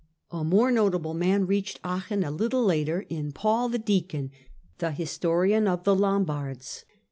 A more notable man reached Aachen a little later in Paul the Deacon, the historian of the Lombards.